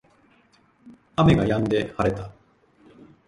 雨が止んで晴れた